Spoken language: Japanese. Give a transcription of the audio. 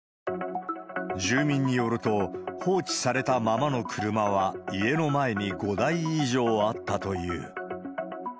住民によると、放置されたままの車は家の前に５台以上あったという。